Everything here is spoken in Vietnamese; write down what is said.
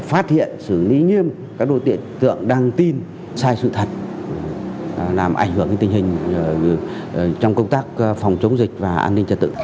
và tự nhiên các đối tượng đang tin sai sự thật làm ảnh hưởng tình hình trong công tác phòng chống dịch và an ninh trật tự